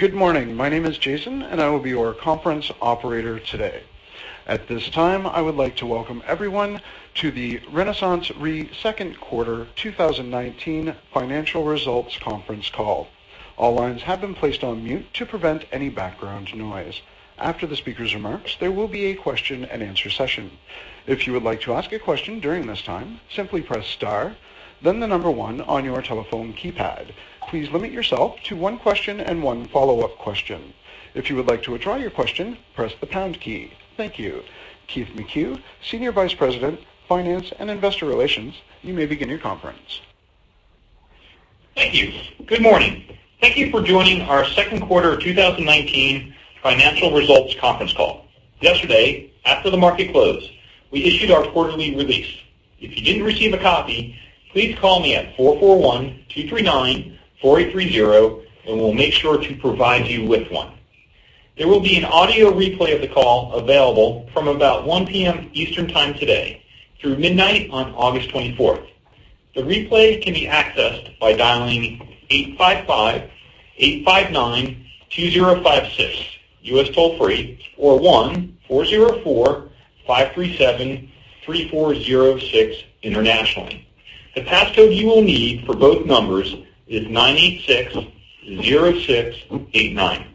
Good morning. My name is Jason, and I will be your conference operator today. At this time, I would like to welcome everyone to the RenaissanceRe Second Quarter 2019 financial results conference call. All lines have been placed on mute to prevent any background noise. After the speaker's remarks, there will be a question and answer session. If you would like to ask a question during this time, simply press star, then the number 1 on your telephone keypad. Please limit yourself to one question and one follow-up question. If you would like to withdraw your question, press the pound key. Thank you. Keith McCue, Senior Vice President, Finance and Investor Relations, you may begin your conference. Thank you. Good morning. Thank you for joining our second quarter 2019 financial results conference call. Yesterday, after the market closed, we issued our quarterly release. If you didn't receive a copy, please call me at 441-239-4830 and we'll make sure to provide you with one. There will be an audio replay of the call available from about 1:00 P.M. Eastern Time today through midnight on August 24th. The replay can be accessed by dialing 855-859-2056 U.S. toll-free or 1-404-537-3406 internationally. The pass code you will need for both numbers is 9860689.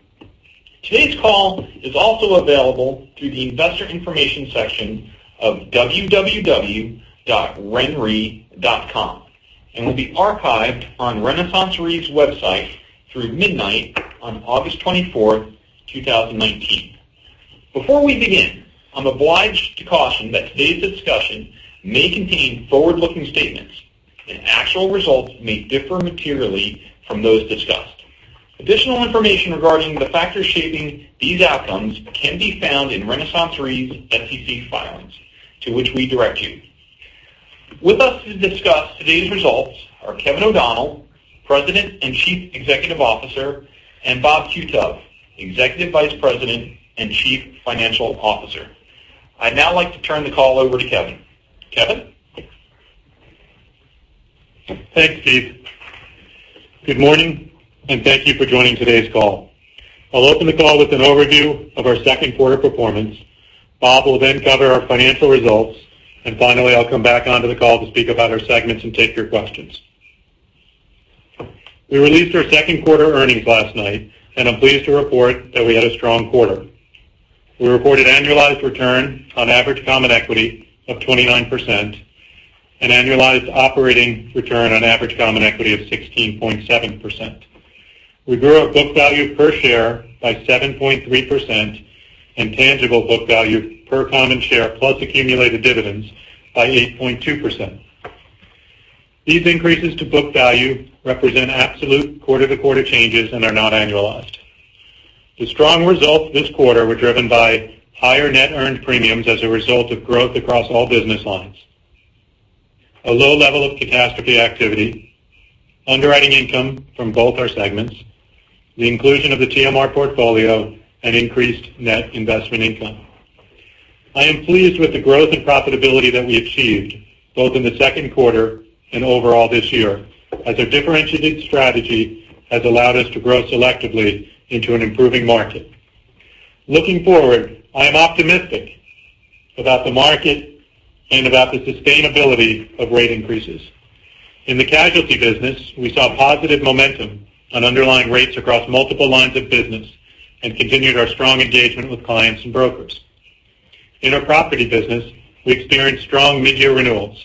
Today's call is also available through the investor information section of www.renre.com and will be archived on RenaissanceRe's website through midnight on August 24th, 2019. Before we begin, I'm obliged to caution that today's discussion may contain forward-looking statements. Actual results may differ materially from those discussed. Additional information regarding the factors shaping these outcomes can be found in RenaissanceRe's SEC filings, to which we direct you. With us to discuss today's results are Kevin O'Donnell, President and Chief Executive Officer, and Bob Qutub, Executive Vice President and Chief Financial Officer. I'd now like to turn the call over to Kevin. Kevin? Thanks, Keith. Good morning and thank you for joining today's call. I'll open the call with an overview of our second quarter performance. Bob will then cover our financial results, and finally, I'll come back onto the call to speak about our segments and take your questions. We released our second quarter earnings last night, and I'm pleased to report that we had a strong quarter. We reported annualized return on average common equity of 29% and annualized operating return on average common equity of 16.7%. We grew our book value per share by 7.3% and tangible book value per common share plus accumulated dividends by 8.2%. These increases to book value represent absolute quarter-to-quarter changes and are not annualized. The strong results this quarter were driven by higher net earned premiums as a result of growth across all business lines. A low level of catastrophe activity, underwriting income from both our segments, the inclusion of the TMR portfolio, and increased net investment income. I am pleased with the growth and profitability that we achieved both in the second quarter and overall this year, as our differentiated strategy has allowed us to grow selectively into an improving market. Looking forward, I am optimistic about the market and about the sustainability of rate increases. In the casualty business, we saw positive momentum on underlying rates across multiple lines of business and continued our strong engagement with clients and brokers. In our property business, we experienced strong mid-year renewals.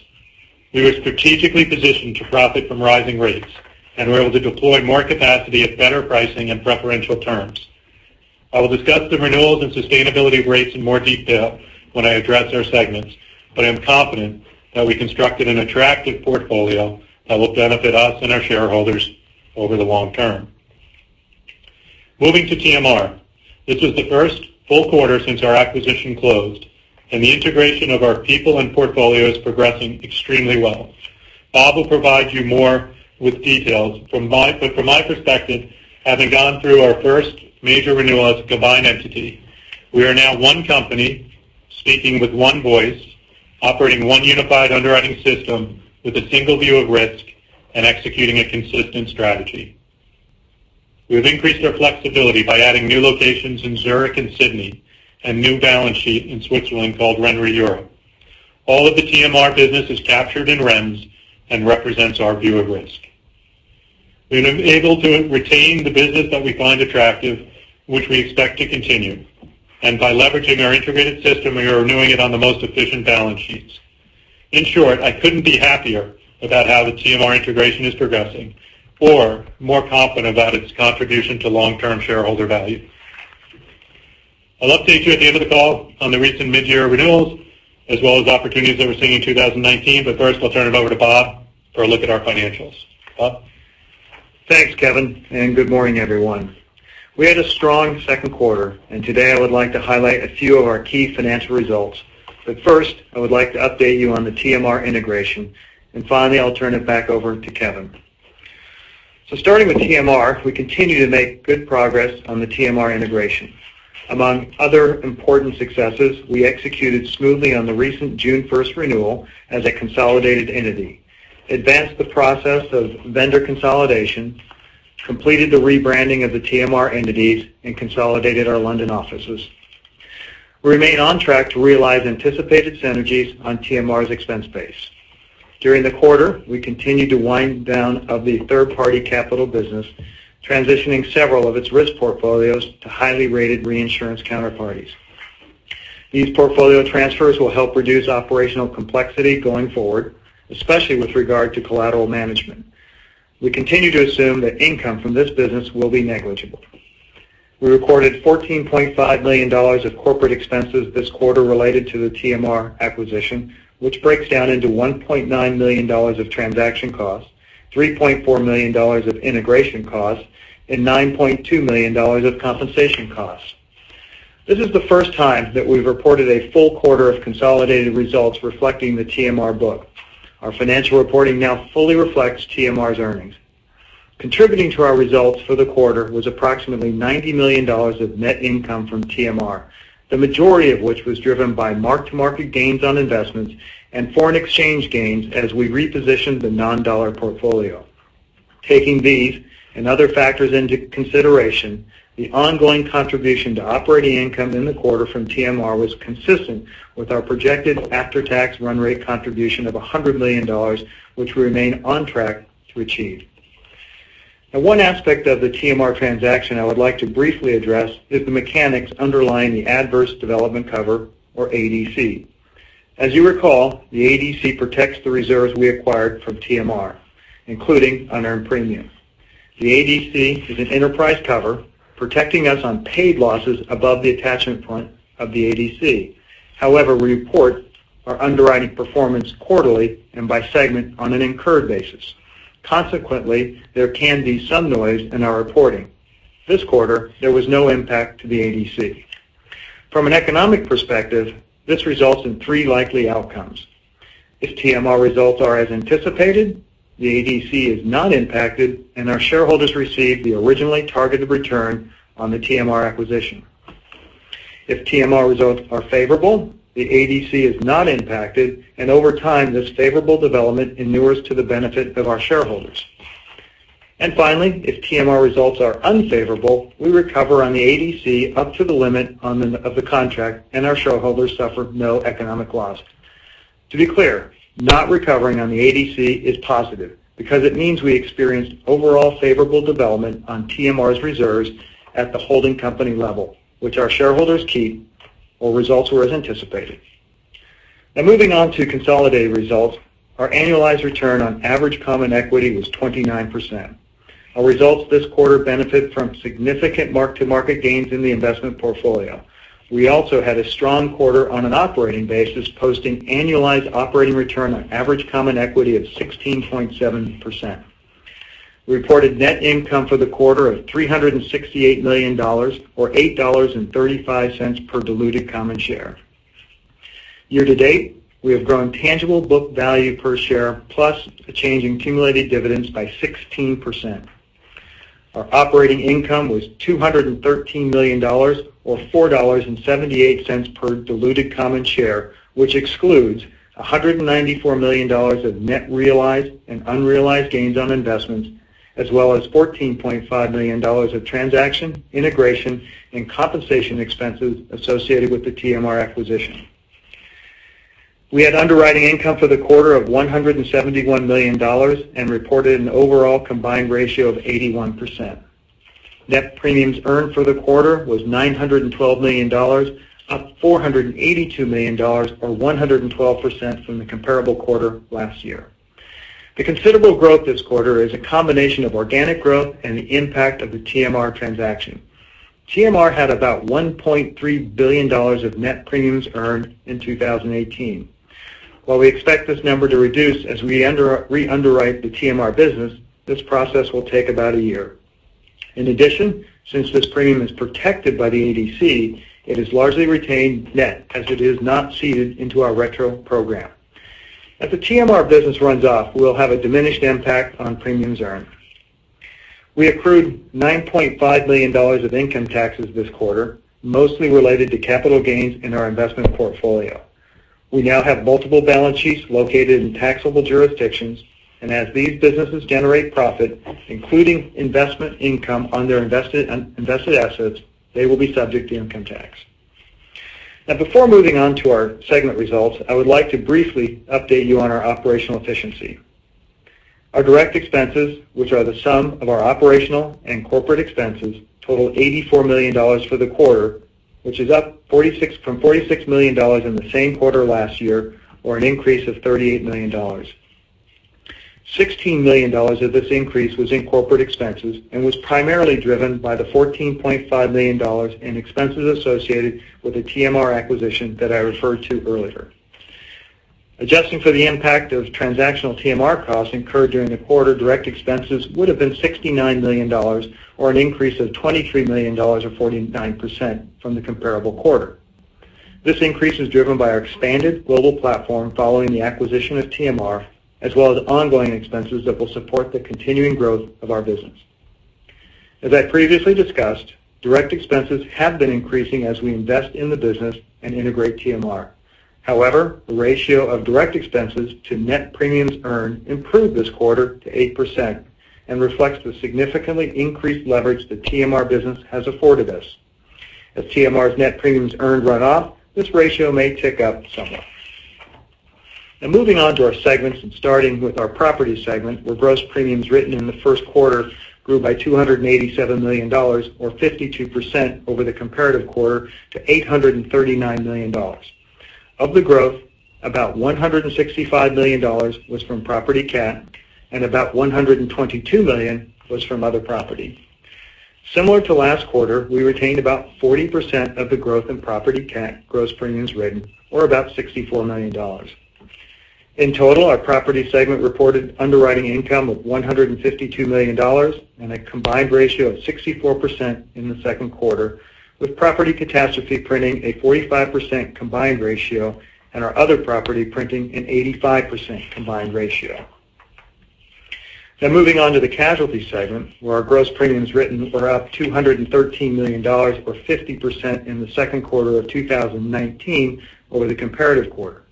We were strategically positioned to profit from rising rates and were able to deploy more capacity at better pricing and preferential terms. I will discuss the renewals and sustainability of rates in more detail when I address our segments, but I am confident that I constructed an attractive portfolio that will benefit us and our shareholders over the long term. Moving to TMR. This was the first full quarter since our acquisition closed, the integration of our people and portfolio is progressing extremely well. Bob will provide you more with details. From my perspective, having gone through our first major renewal as a combined entity, we are now one company speaking with one voice, operating one unified underwriting system with a single view of risk and executing a consistent strategy. We have increased our flexibility by adding new locations in Zurich and Sydney and new balance sheet in Switzerland called RenaissanceRe Europe. All of the TMR business is captured in REMS and represents our view of risk. We've been able to retain the business that we find attractive, which we expect to continue. By leveraging our integrated system, we are renewing it on the most efficient balance sheets. In short, I couldn't be happier about how the TMR integration is progressing or more confident about its contribution to long-term shareholder value. I'll update you at the end of the call on the recent mid-year renewals as well as opportunities that we're seeing in 2019, first, I'll turn it over to Bob for a look at our financials. Bob? Thanks, Kevin, good morning, everyone. We had a strong second quarter, today I would like to highlight a few of our key financial results. First, I would like to update you on the TMR integration, finally, I'll turn it back over to Kevin. Starting with TMR, we continue to make good progress on the TMR integration. Among other important successes, we executed smoothly on the recent June 1st renewal as a consolidated entity, advanced the process of vendor consolidation, completed the rebranding of the TMR entities, consolidated our London offices. We remain on track to realize anticipated synergies on TMR's expense base. During the quarter, we continued to wind down the third-party capital business, transitioning several of its risk portfolios to highly rated reinsurance counterparties. These portfolio transfers will help reduce operational complexity going forward, especially with regard to collateral management. We continue to assume that income from this business will be negligible. We recorded $14.5 million of corporate expenses this quarter related to the TMR acquisition, which breaks down into $1.9 million of transaction costs, $3.4 million of integration costs, and $9.2 million of compensation costs. This is the first time that we've reported a full quarter of consolidated results reflecting the TMR book. Our financial reporting now fully reflects TMR's earnings. Contributing to our results for the quarter was approximately $90 million of net income from TMR, the majority of which was driven by mark-to-market gains on investments and foreign exchange gains as we repositioned the non-dollar portfolio. Taking these and other factors into consideration, the ongoing contribution to operating income in the quarter from TMR was consistent with our projected after-tax run rate contribution of $100 million, which we remain on track to achieve. Now, one aspect of the TMR transaction I would like to briefly address is the mechanics underlying the adverse development cover, or ADC. As you recall, the ADC protects the reserves we acquired from TMR, including unearned premium. The ADC is an enterprise cover protecting us on paid losses above the attachment point of the ADC. However, we report our underwriting performance quarterly and by segment on an incurred basis. Consequently, there can be some noise in our reporting. This quarter, there was no impact to the ADC. From an economic perspective, this results in three likely outcomes. If TMR results are as anticipated, the ADC is not impacted, and our shareholders receive the originally targeted return on the TMR acquisition. If TMR results are favorable, the ADC is not impacted, and over time, this favorable development inures to the benefit of our shareholders. Finally, if TMR results are unfavorable, we recover on the ADC up to the limit of the contract, and our shareholders suffer no economic loss. To be clear, not recovering on the ADC is positive because it means we experienced overall favorable development on TMR's reserves at the holding company level, which our shareholders keep or results were as anticipated. Now moving on to consolidated results. Our annualized return on average common equity was 29%. Our results this quarter benefit from significant mark-to-market gains in the investment portfolio. We also had a strong quarter on an operating basis, posting annualized operating return on average common equity of 16.7%. We reported net income for the quarter of $368 million, or $8.35 per diluted common share. Year to date, we have grown tangible book value per share, plus a change in cumulative dividends by 16%. Our operating income was $213 million, or $4.78 per diluted common share, which excludes $194 million of net realized and unrealized gains on investments, as well as $14.5 million of transaction, integration, and compensation expenses associated with the TMR acquisition. We had underwriting income for the quarter of $171 million and reported an overall combined ratio of 81%. Net premiums earned for the quarter was $912 million, up $482 million, or 112% from the comparable quarter last year. The considerable growth this quarter is a combination of organic growth and the impact of the TMR transaction. TMR had about $1.3 billion of net premiums earned in 2018. While we expect this number to reduce as we re-underwrite the TMR business, this process will take about a year. In addition, since this premium is protected by the ADC, it is largely retained net as it is not ceded into our retro program. As the TMR business runs off, we will have a diminished impact on premiums earned. We accrued $9.5 million of income taxes this quarter, mostly related to capital gains in our investment portfolio. We now have multiple balance sheets located in taxable jurisdictions, and as these businesses generate profit, including investment income on their invested assets, they will be subject to income tax. Before moving on to our segment results, I would like to briefly update you on our operational efficiency. Our direct expenses, which are the sum of our operational and corporate expenses, total $84 million for the quarter, which is up from $46 million in the same quarter last year, or an increase of $38 million. $16 million of this increase was in corporate expenses and was primarily driven by the $14.5 million in expenses associated with the TMR acquisition that I referred to earlier. Adjusting for the impact of transactional TMR costs incurred during the quarter, direct expenses would have been $69 million, or an increase of $23 million or 49% from the comparable quarter. This increase is driven by our expanded global platform following the acquisition of TMR, as well as ongoing expenses that will support the continuing growth of our business. As I previously discussed, direct expenses have been increasing as we invest in the business and integrate TMR. However, the ratio of direct expenses to net premiums earned improved this quarter to 8% and reflects the significantly increased leverage the TMR business has afforded us. As TMR's net premiums earned run off, this ratio may tick up somewhat. Moving on to our segments and starting with our property segment, where gross premiums written in the first quarter grew by $287 million or 52% over the comparative quarter to $839 million. Of the growth, about $165 million was from property cat and about $122 million was from other property. Similar to last quarter, we retained about 40% of the growth in property cat gross premiums written, or about $64 million. In total, our property segment reported underwriting income of $152 million and a combined ratio of 64% in the second quarter, with property catastrophe printing a 45% combined ratio and our other property printing an 85% combined ratio. Moving on to the casualty segment where our gross premiums written were up $213 million or 50% in the second quarter of 2019 over the comparative quarter.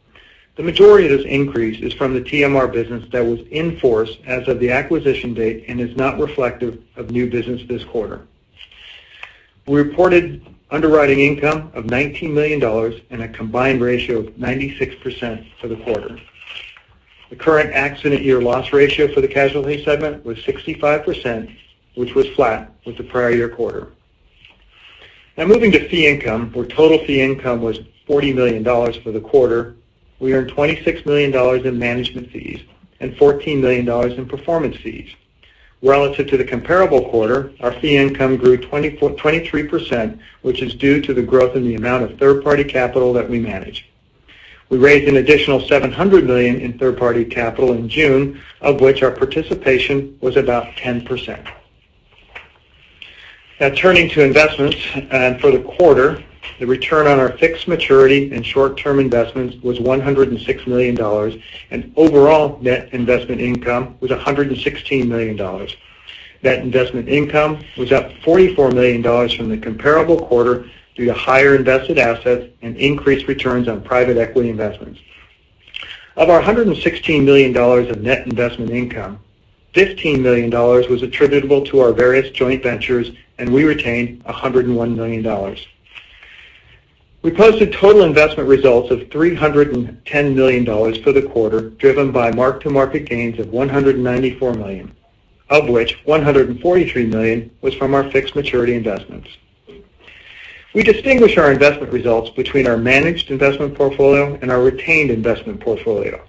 The majority of this increase is from the TMR business that was in force as of the acquisition date and is not reflective of new business this quarter. We reported underwriting income of $19 million and a combined ratio of 96% for the quarter. The current accident year loss ratio for the casualty segment was 65%, which was flat with the prior year quarter. Moving to fee income, where total fee income was $40 million for the quarter. We earned $26 million in management fees and $14 million in performance fees. Relative to the comparable quarter, our fee income grew 23%, which is due to the growth in the amount of third-party capital that we manage. We raised an additional $700 million in third-party capital in June, of which our participation was about 10%. Turning to investments. For the quarter, the return on our fixed maturity and short-term investments was $106 million, and overall net investment income was $116 million. Net investment income was up $44 million from the comparable quarter due to higher invested assets and increased returns on private equity investments. Of our $116 million of net investment income, $15 million was attributable to our various joint ventures, and we retained $101 million. We posted total investment results of $310 million for the quarter, driven by mark-to-market gains of $194 million, of which $143 million was from our fixed maturity investments. We distinguish our investment results between our managed investment portfolio and our retained investment portfolio.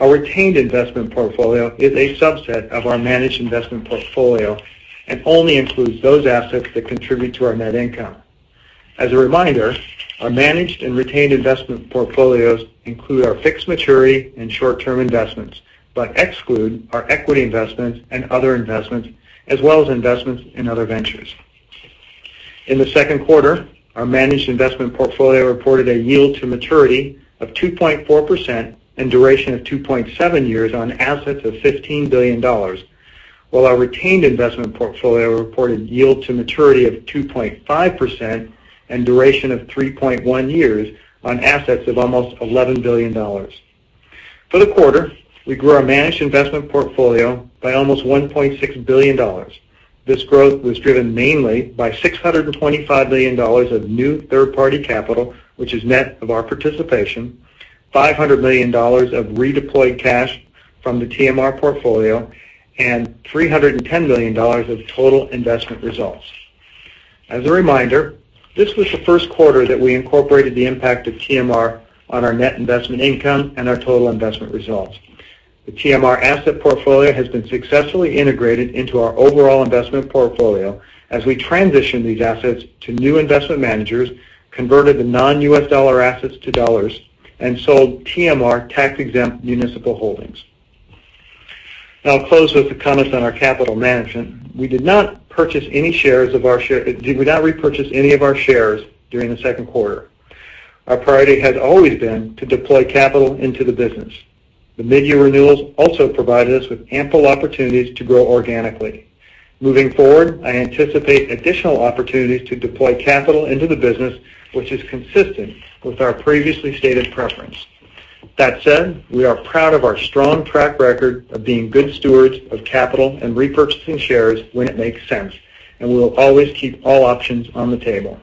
Our retained investment portfolio is a subset of our managed investment portfolio and only includes those assets that contribute to our net income. As a reminder, our managed and retained investment portfolios include our fixed maturity and short-term investments, but exclude our equity investments and other investments as well as investments in other ventures. In the second quarter, our managed investment portfolio reported a yield to maturity of 2.4% and duration of 2.7 years on assets of $15 billion, while our retained investment portfolio reported yield to maturity of 2.5% and duration of 3.1 years on assets of almost $11 billion. For the quarter, we grew our managed investment portfolio by almost $1.6 billion. This growth was driven mainly by $625 million of new third-party capital, which is net of our participation, $500 million of redeployed cash from the TMR portfolio, and $310 million of total investment results. As a reminder, this was the first quarter that we incorporated the impact of TMR on our net investment income and our total investment results. The TMR asset portfolio has been successfully integrated into our overall investment portfolio as we transition these assets to new investment managers, converted the non-U.S. dollar assets to dollars, and sold TMR tax-exempt municipal holdings. Now, I'll close with the comments on our capital management. We did not repurchase any of our shares during the second quarter. Our priority has always been to deploy capital into the business. The mid-year renewals also provided us with ample opportunities to grow organically. Moving forward, I anticipate additional opportunities to deploy capital into the business, which is consistent with our previously stated preference. That said, we are proud of our strong track record of being good stewards of capital and repurchasing shares when it makes sense, and we will always keep all options on the table.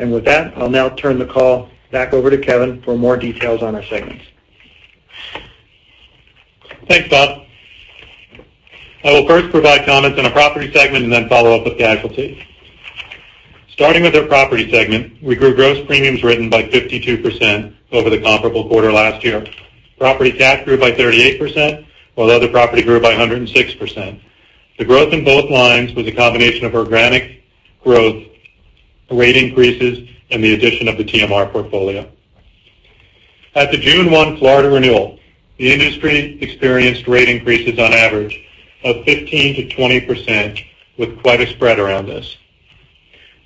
With that, I'll now turn the call back over to Kevin for more details on our segments. Thanks, Bob. I will first provide comments on our property segment and then follow up with casualty. Starting with our property segment, we grew gross premiums written by 52% over the comparable quarter last year. Property cat grew by 38%, while other property grew by 106%. The growth in both lines was a combination of organic growth, rate increases, and the addition of the TMR portfolio. At the June 1 Florida renewal, the industry experienced rate increases on average of 15%-20% with quite a spread around this.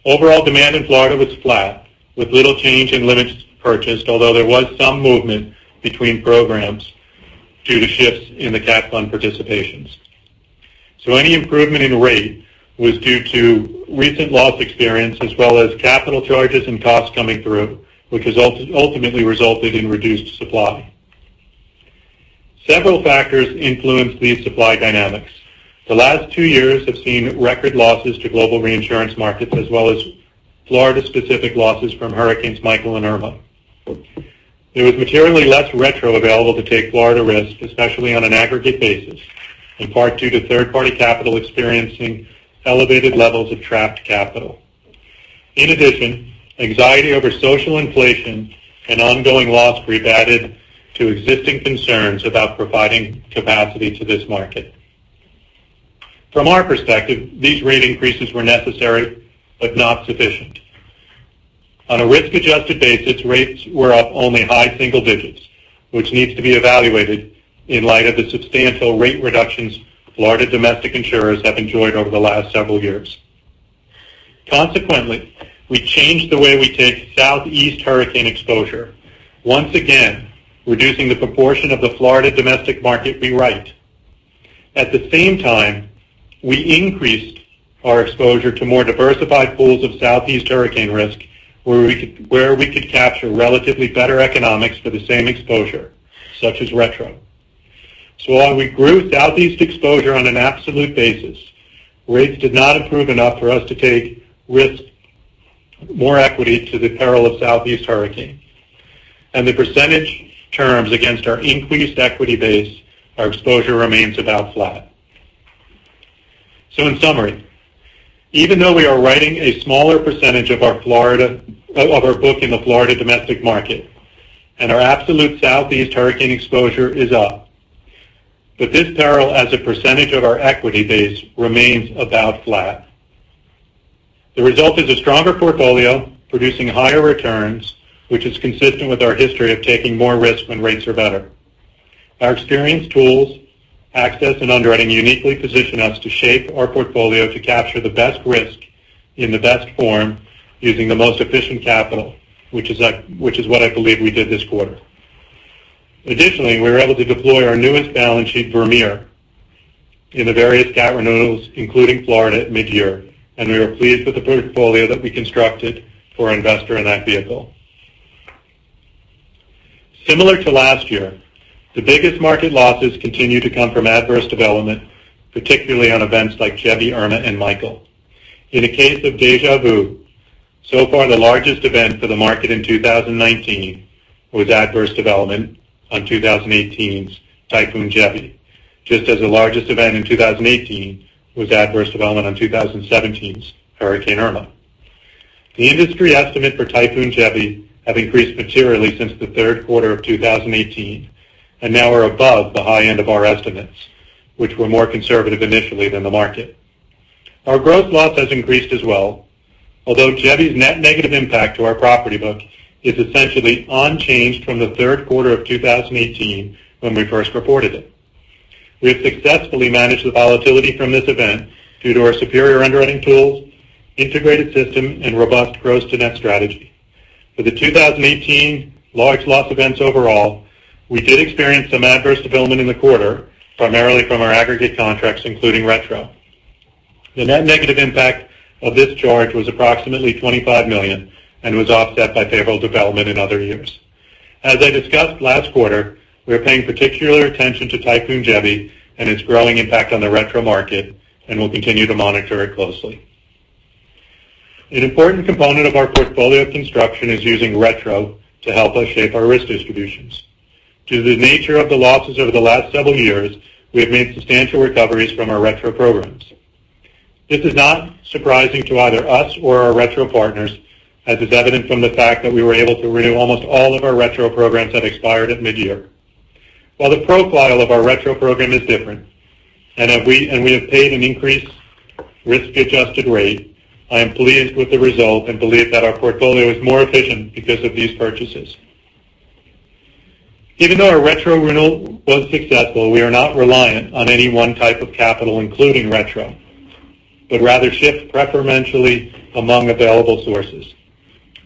Overall demand in Florida was flat with little change in limits purchased, although there was some movement between programs due to shifts in the cat fund participations. Any improvement in rate was due to recent loss experience as well as capital charges and costs coming through, which has ultimately resulted in reduced supply. Several factors influenced these supply dynamics. The last 2 years have seen record losses to global reinsurance markets as well as Florida specific losses from Hurricanes Michael and Irma. There was materially less retro available to take Florida risk, especially on an aggregate basis, in part due to third-party capital experiencing elevated levels of trapped capital. In addition, anxiety over social inflation and ongoing loss creep added to existing concerns about providing capacity to this market. From our perspective, these rate increases were necessary but not sufficient. On a risk-adjusted basis, rates were up only high single digits, which needs to be evaluated in light of the substantial rate reductions Florida domestic insurers have enjoyed over the last several years. Consequently, we changed the way we take Southeast hurricane exposure, once again, reducing the proportion of the Florida domestic market we write. At the same time, we increased our exposure to more diversified pools of Southeast hurricane risk, where we could capture relatively better economics for the same exposure, such as retro. While we grew Southeast exposure on an absolute basis, rates did not improve enough for us to take risk more equity to the peril of Southeast hurricane. In percentage terms against our increased equity base, our exposure remains about flat. In summary, even though we are writing a smaller percentage of our book in the Florida domestic market and our absolute Southeast hurricane exposure is up, this peril as a percentage of our equity base remains about flat. The result is a stronger portfolio producing higher returns, which is consistent with our history of taking more risk when rates are better. Our experience tools, access and underwriting uniquely position us to shape our portfolio to capture the best risk in the best form using the most efficient capital, which is what I believe we did this quarter. Additionally, we were able to deploy our newest balance sheet, Vermeer, in the various cat renewals, including Florida at mid-year, and we are pleased with the portfolio that we constructed for our investor in that vehicle. Similar to last year, the biggest market losses continue to come from adverse development, particularly on events like Typhoon Jebi, Hurricane Irma, and Hurricane Michael. In a case of deja vu, so far the largest event for the market in 2019 was adverse development on 2018's Typhoon Jebi, just as the largest event in 2018 was adverse development on 2017's Hurricane Irma. The industry estimate for Typhoon Jebi have increased materially since the third quarter of 2018 and now are above the high end of our estimates, which were more conservative initially than the market. Our gross loss has increased as well, although Jebi's net negative impact to our property book is essentially unchanged from the third quarter of 2018 when we first reported it. We have successfully managed the volatility from this event due to our superior underwriting tools, integrated system, and robust gross to net strategy. For the 2018 large loss events overall, we did experience some adverse development in the quarter, primarily from our aggregate contracts, including retro. The net negative impact of this charge was approximately $25 million and was offset by favorable development in other years. As I discussed last quarter, we are paying particular attention to Typhoon Jebi and its growing impact on the retro market and will continue to monitor it closely. An important component of our portfolio construction is using retro to help us shape our risk distributions. Due to the nature of the losses over the last several years, we have made substantial recoveries from our retro programs. This is not surprising to either us or our retro partners, as is evident from the fact that we were able to renew almost all of our retro programs that expired at mid-year. While the profile of our retro program is different and we have paid an increased risk-adjusted rate, I am pleased with the result and believe that our portfolio is more efficient because of these purchases. Even though our retro renewal was successful, we are not reliant on any one type of capital, including retro, but rather shift preferentially among available sources.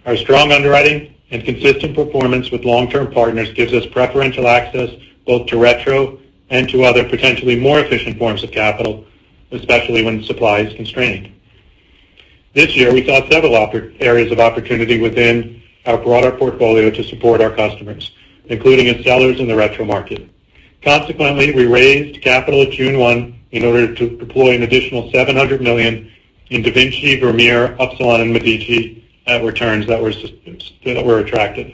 Our strong underwriting and consistent performance with long-term partners gives us preferential access both to retro and to other potentially more efficient forms of capital, especially when supply is constrained. This year, we saw several areas of opportunity within our broader portfolio to support our customers, including as sellers in the retro market. Consequently, we raised capital at June 1 in order to deploy an additional $700 million in DaVinci, Vermeer, Upsilon, and Medici at returns that were attractive.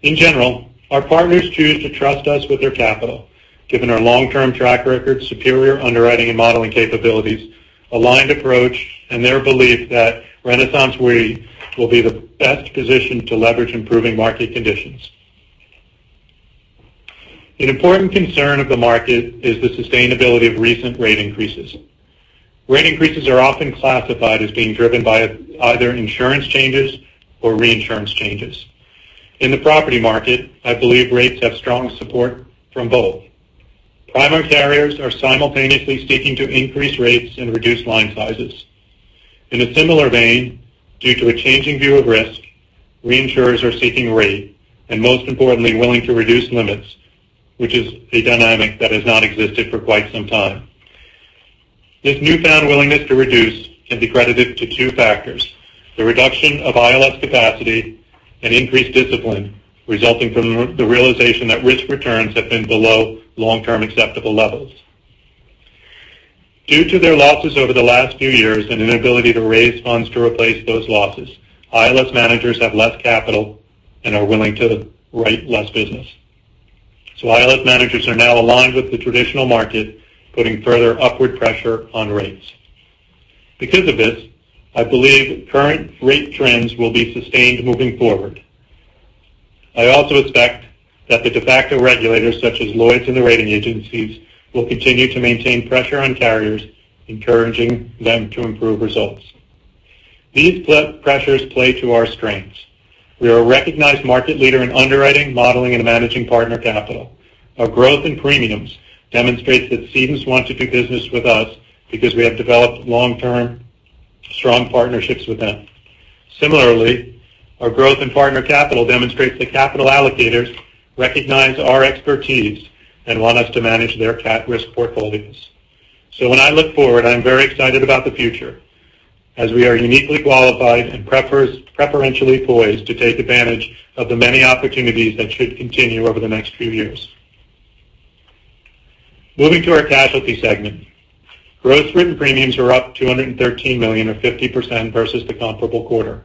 In general, our partners choose to trust us with their capital, given our long-term track record, superior underwriting and modeling capabilities, aligned approach, and their belief that RenaissanceRe will be the best positioned to leverage improving market conditions. An important concern of the market is the sustainability of recent rate increases. Rate increases are often classified as being driven by either insurance changes or reinsurance changes. In the property market, I believe rates have strong support from both. Primary carriers are simultaneously seeking to increase rates and reduce line sizes. In a similar vein, due to a changing view of risk, reinsurers are seeking rate, and most importantly, willing to reduce limits, which is a dynamic that has not existed for quite some time. This newfound willingness to reduce can be credited to two factors: the reduction of ILS capacity and increased discipline resulting from the realization that risk returns have been below long-term acceptable levels. Due to their losses over the last few years and inability to raise funds to replace those losses, ILS managers have less capital and are willing to write less business. ILS managers are now aligned with the traditional market, putting further upward pressure on rates. Because of this, I believe current rate trends will be sustained moving forward. I also expect that the de facto regulators, such as Lloyd's and the rating agencies, will continue to maintain pressure on carriers, encouraging them to improve results. These pressures play to our strengths. We are a recognized market leader in underwriting, modeling, and managing partner capital. Our growth in premiums demonstrates that cedents want to do business with us because we have developed long-term strong partnerships with them. Similarly, our growth in partner capital demonstrates that capital allocators recognize our expertise and want us to manage their cat risk portfolios. When I look forward, I'm very excited about the future as we are uniquely qualified and preferentially poised to take advantage of the many opportunities that should continue over the next few years. Moving to our casualty segment. Gross written premiums are up $213 million or 50% versus the comparable quarter.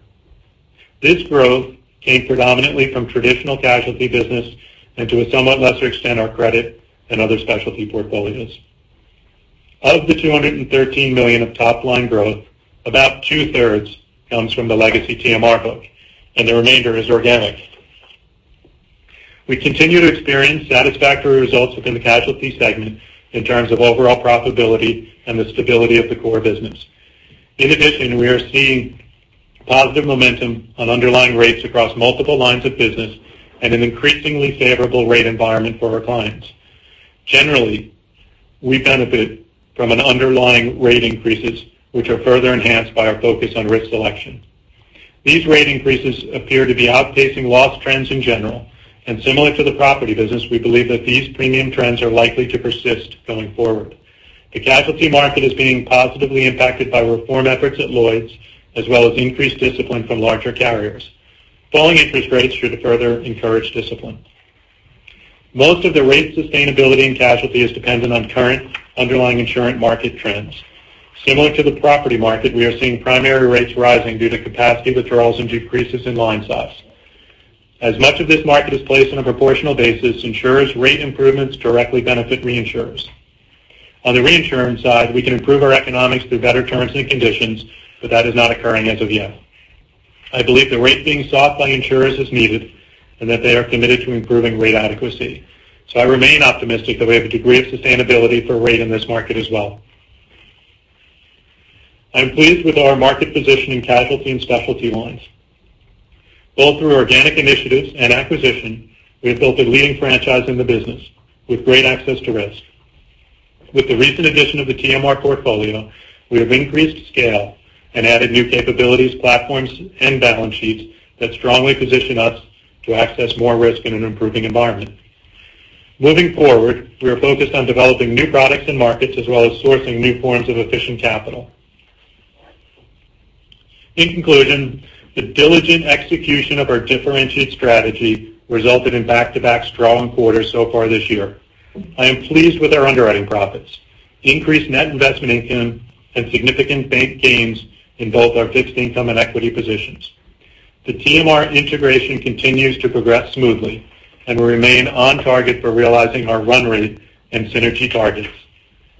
This growth came predominantly from traditional casualty business and to a somewhat lesser extent, our credit and other specialty portfolios. Of the $213 million of top-line growth, about two-thirds comes from the legacy TMR book, and the remainder is organic. We continue to experience satisfactory results within the casualty segment in terms of overall profitability and the stability of the core business. In addition, we are seeing positive momentum on underlying rates across multiple lines of business and an increasingly favorable rate environment for our clients. Generally, we benefit from an underlying rate increases, which are further enhanced by our focus on risk selection. These rate increases appear to be outpacing loss trends in general, and similar to the property business, we believe that these premium trends are likely to persist going forward. The casualty market is being positively impacted by reform efforts at Lloyd's, as well as increased discipline from larger carriers. Falling interest rates should further encourage discipline. Most of the rate sustainability in casualty is dependent on current underlying insurance market trends. Similar to the property market, we are seeing primary rates rising due to capacity withdrawals and decreases in line size. As much of this market is placed on a proportional basis, insurers' rate improvements directly benefit reinsurers. On the reinsurance side, we can improve our economics through better terms and conditions, but that is not occurring as of yet. I believe the rate being sought by insurers is needed and that they are committed to improving rate adequacy. I remain optimistic that we have a degree of sustainability for rate in this market as well. I am pleased with our market position in casualty and specialty lines. Both through organic initiatives and acquisition, we have built a leading franchise in the business with great access to risk. With the recent addition of the TMR portfolio, we have increased scale and added new capabilities, platforms, and balance sheets that strongly position us to access more risk in an improving environment. Moving forward, we are focused on developing new products and markets, as well as sourcing new forms of efficient capital. In conclusion, the diligent execution of our differentiated strategy resulted in back-to-back strong quarters so far this year. I am pleased with our underwriting profits, increased net investment income, and significant gains in both our fixed income and equity positions. The TMR integration continues to progress smoothly, and we remain on target for realizing our run rate and synergy targets.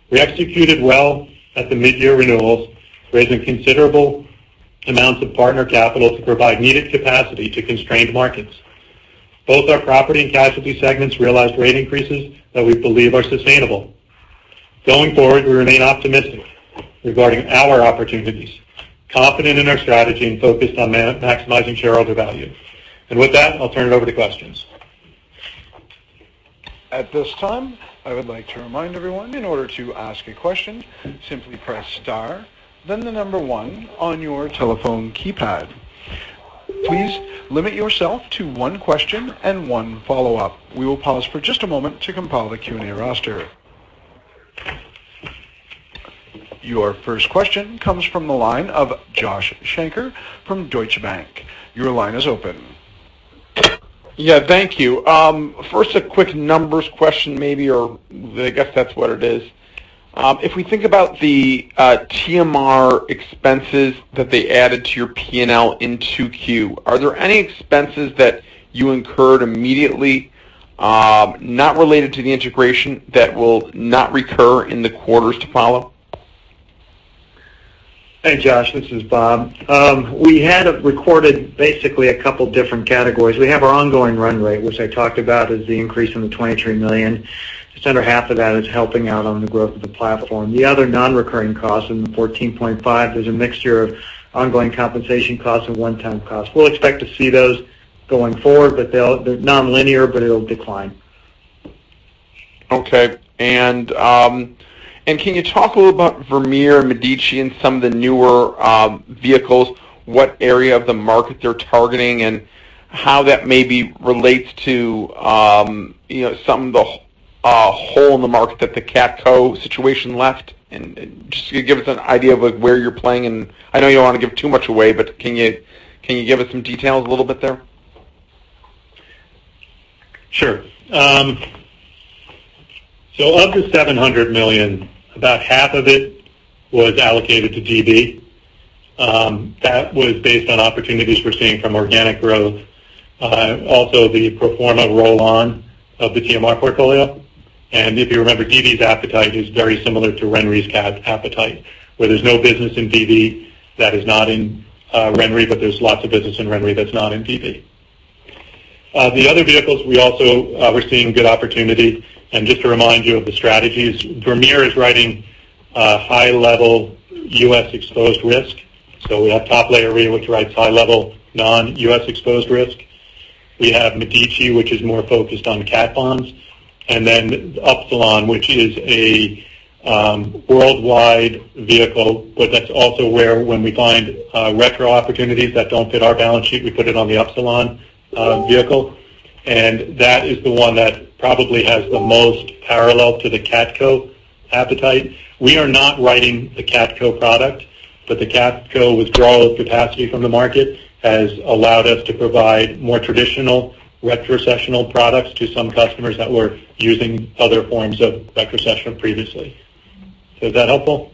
We executed well at the mid-year renewals, raising considerable amounts of partner capital to provide needed capacity to constrained markets. Both our property and casualty segments realized rate increases that we believe are sustainable. Going forward, we remain optimistic regarding our opportunities, confident in our strategy, and focused on maximizing shareholder value. With that, I'll turn it over to questions. At this time, I would like to remind everyone, in order to ask a question, simply press star, then 1 on your telephone keypad. Please limit yourself to one question and one follow-up. We will pause for just a moment to compile the Q&A roster. Your first question comes from the line of Joshua Shanker from Deutsche Bank. Your line is open. Thank you. First, a quick numbers question maybe, or I guess that's what it is. If we think about the TMR expenses that they added to your P&L in 2Q, are there any expenses that you incurred immediately, not related to the integration that will not recur in the quarters to follow? Hey, Josh, this is Bob. We had recorded basically a couple different categories. We have our ongoing run rate, which I talked about is the increase in the $23 million. Just under half of that is helping out on the growth of the platform. The other non-recurring costs in the $14.5, there's a mixture of ongoing compensation costs and one-time costs. We'll expect to see those going forward, but they're non-linear, but it'll decline. Can you talk a little about Vermeer, Medici, and some of the newer vehicles, what area of the market they're targeting, and how that maybe relates to some of the hole in the market that the CatCo situation left? Just give us an idea of where you're playing, and I know you don't want to give too much away, but can you give us some details a little bit there? Sure. Of the $700 million, about half of it was allocated to DB. That was based on opportunities we're seeing from organic growth. Also the pro forma roll-on of the TMR portfolio. If you remember, DB's appetite is very similar to RenRe's appetite, where there's no business in DB that is not in RenRe, but there's lots of business in RenRe that's not in DB. The other vehicles, we're seeing good opportunity. Just to remind you of the strategies, Vermeer is writing high-level U.S.-exposed risk. We have Top Layer Re, which writes high-level non-U.S. exposed risk. We have Medici, which is more focused on cat bonds. Then Upsilon, which is a worldwide vehicle, but that's also where when we find retro opportunities that don't fit our balance sheet, we put it on the Upsilon vehicle. That is the one that probably has the most parallel to the CatCo appetite. We are not writing the CatCo product, but the CatCo withdrawal of capacity from the market has allowed us to provide more traditional retrocessional products to some customers that were using other forms of retrocession previously. Is that helpful?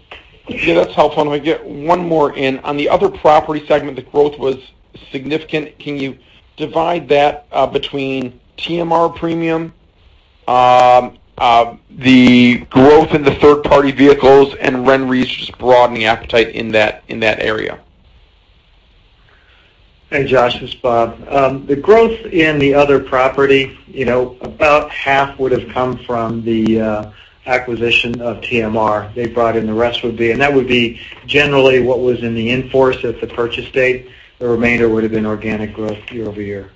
Yeah, that's helpful. We get one more in. On the other property segment, the growth was significant. Can you divide that between TMR premium, the growth in the third-party vehicles, and RenaissanceRe just broadening appetite in that area? Hey, Josh, it's Bob. The growth in the other property, about half would've come from the acquisition of TMR. They brought in, the rest would be, and that would be generally what was in the in-force at the purchase date. The remainder would've been organic growth year-over-year.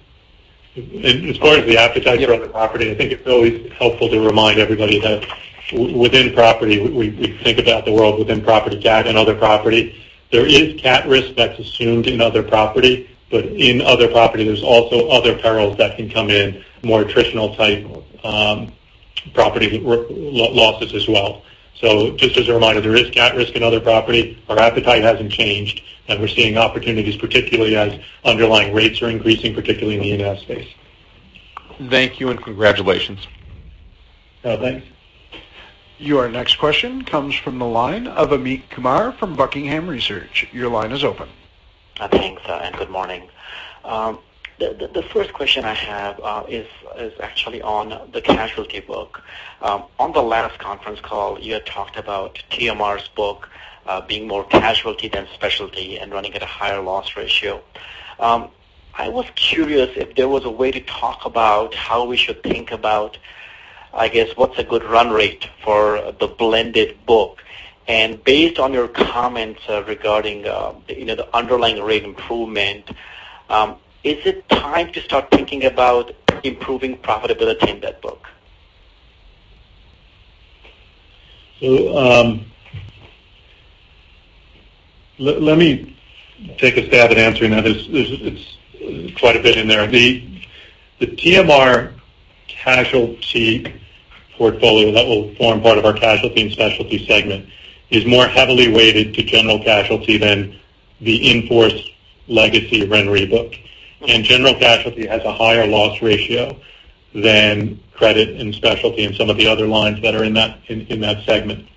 As far as the appetite for other property, I think it's always helpful to remind everybody that within property, we think about the world within property cat and other property. There is cat risk that's assumed in other property, but in other property, there's also other perils that can come in, more attritional type property losses as well. Just as a reminder, there is cat risk in other property. Our appetite hasn't changed, and we're seeing opportunities, particularly as underlying rates are increasing, particularly in the excess space. Thank you, and congratulations. Thanks. Your next question comes from the line of Amit Kumar from Buckingham Research. Your line is open. Thanks. Good morning. The first question I have is actually on the casualty book. On the last conference call, you had talked about TMR's book being more casualty than specialty and running at a higher loss ratio. I was curious if there was a way to talk about how we should think about, I guess, what's a good run rate for the blended book. Based on your comments regarding the underlying rate improvement, is it time to start thinking about improving profitability in that book? Let me take a stab at answering that. There's quite a bit in there. The TMR casualty portfolio that will form part of our casualty and specialty segment is more heavily weighted to general casualty than the in-force legacy of RenRe book. General casualty has a higher loss ratio than credit in specialty and some of the other lines that are in that segment.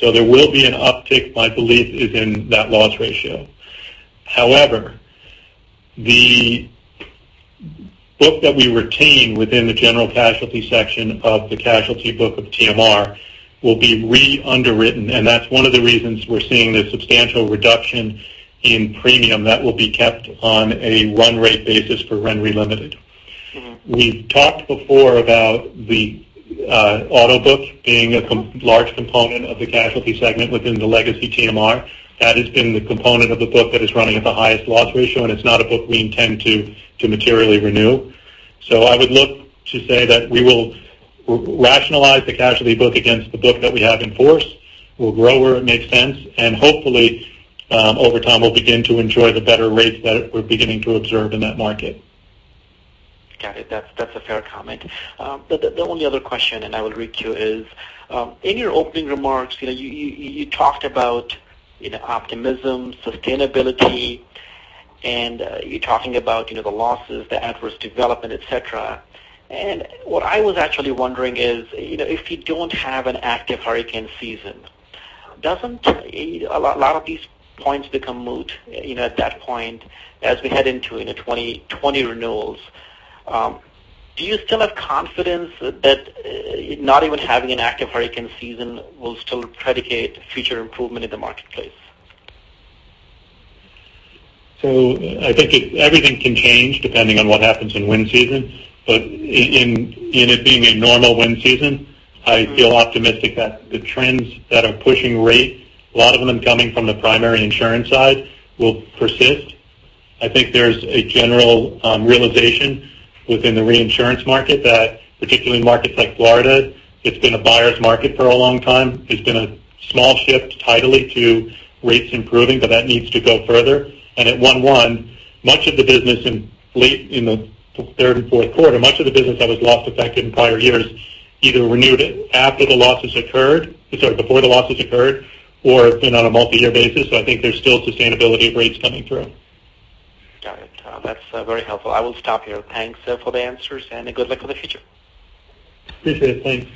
There will be an uptick, my belief is, in that loss ratio. However, the book that we retain within the general casualty section of the casualty book of TMR will be re-underwritten, and that's one of the reasons we're seeing this substantial reduction in premium that will be kept on a run rate basis for RenRe Limited. We've talked before about the auto book being a large component of the casualty segment within the legacy TMR. That has been the component of the book that is running at the highest loss ratio, and it's not a book we intend to materially renew. I would look to say that we will rationalize the casualty book against the book that we have in force. We'll grow where it makes sense, and hopefully, over time, we'll begin to enjoy the better rates that we're beginning to observe in that market. Got it. That's a fair comment. The only other question, and I will read to you is, in your opening remarks, you talked about optimism, sustainability, and you're talking about the losses, the adverse development, et cetera. What I was actually wondering is, if you don't have an active hurricane season, doesn't a lot of these points become moot at that point as we head into 2020 renewals? Do you still have confidence that not even having an active hurricane season will still predicate future improvement in the marketplace? I think everything can change depending on what happens in wind season. In it being a normal wind season, I feel optimistic that the trends that are pushing rates, a lot of them coming from the primary insurance side, will persist. I think there's a general realization within the reinsurance market that particularly in markets like Florida, it's been a buyer's market for a long time. There's been a small shift tidally to rates improving, but that needs to go further. At 1/1, much of the business in late in the third and fourth quarter, much of the business that was loss effective in prior years either renewed it after the losses occurred, sorry, before the losses occurred, or been on a multi-year basis. I think there's still sustainability of rates coming through. Got it. That's very helpful. I will stop here. Thanks for the answers, good luck for the future. Appreciate it. Thanks.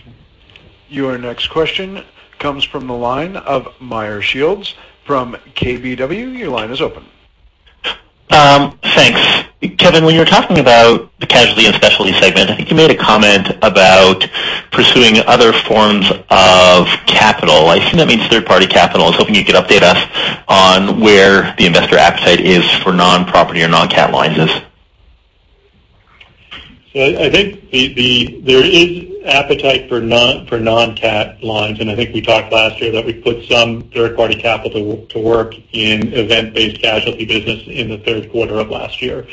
Your next question comes from the line of Meyer Shields from KBW. Your line is open. Thanks. Kevin, when you were talking about the casualty and specialty segment, I think you made a comment about pursuing other forms of capital. I assume that means third-party capital. I was hoping you could update us on where the investor appetite is for non-property or non-cat lines. I think there is appetite for non-cat lines, and I think we talked last year that we put some third-party capital to work in event-based casualty business in the third quarter of last year.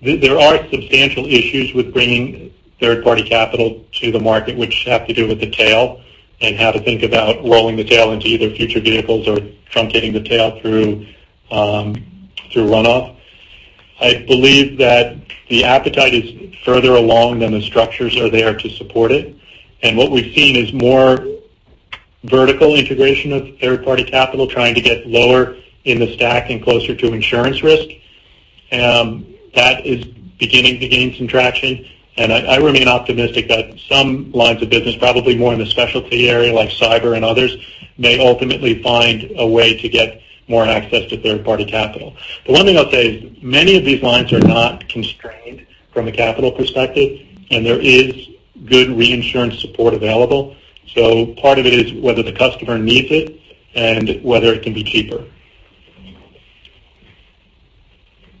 There are substantial issues with bringing third-party capital to the market which have to do with the tail and how to think about rolling the tail into either future vehicles or truncating the tail through runoff. I believe that the appetite is further along than the structures are there to support it, and what we've seen is more vertical integration of third-party capital trying to get lower in the stack and closer to insurance risk. That is beginning to gain some traction, and I remain optimistic that some lines of business, probably more in the specialty area like cyber and others, may ultimately find a way to get more access to third-party capital. One thing I'll say is many of these lines are not constrained from a capital perspective, and there is good reinsurance support available. Part of it is whether the customer needs it and whether it can be cheaper.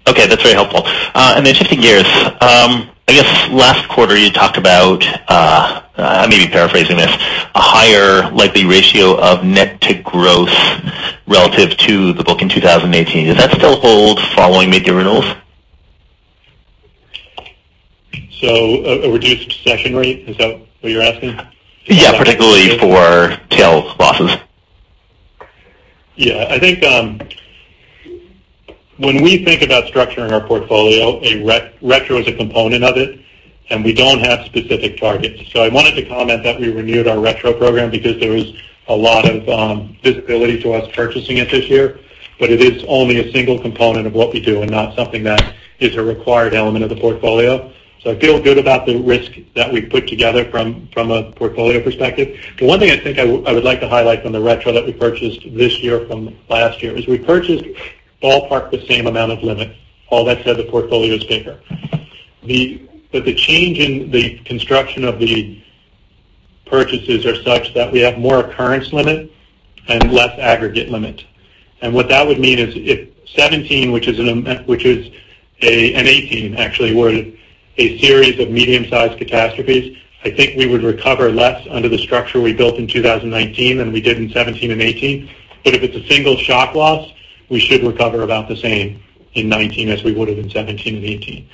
Okay. That's very helpful. Shifting gears. I guess last quarter you talked about, I may be paraphrasing this, a higher likely ratio of net to gross relative to the book in 2018. Does that still hold following mid-year renewals? A retrocession rate, is that what you're asking? Yeah, particularly for tail losses. Yeah. I think when we think about structuring our portfolio, a retro is a component of it, and we don't have specific targets. I wanted to comment that we renewed our retro program because there was a lot of visibility to us purchasing it this year, but it is only a single component of what we do and not something that is a required element of the portfolio. I feel good about the risk that we put together from a portfolio perspective. The one thing I think I would like to highlight on the retro that we purchased this year from last year is we purchased ballpark the same amount of limit. All that said, the portfolio is bigger. The change in the construction of the purchases are such that we have more occurrence limit and less aggregate limit. What that would mean is if 2017, which is an 2018 actually, were a series of medium-sized catastrophes, I think we would recover less under the structure we built in 2019 than we did in 2017 and 2018. If it's a single shock loss, we should recover about the same in 2019 as we would have in 2017 and 2018.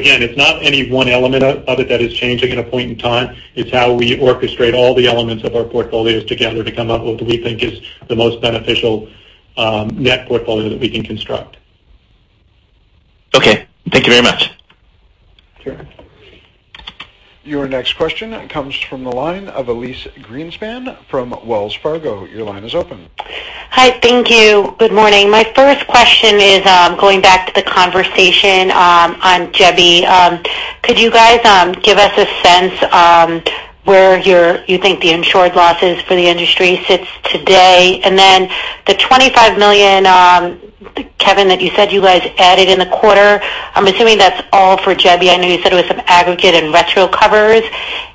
Again, it's not any one element of it that is changing at a point in time. It's how we orchestrate all the elements of our portfolios together to come up with what we think is the most beneficial net portfolio that we can construct. Thank you very much. Sure. Your next question comes from the line of Elyse Greenspan from Wells Fargo. Your line is open. Hi. Thank you. Good morning. My first question is going back to the conversation on Jebi. Could you guys give us a sense where you think the insured losses for the industry sits today? The $25 million, Kevin, that you said you guys added in the quarter, I'm assuming that's all for Jebi. I know you said it was some aggregate and retro covers,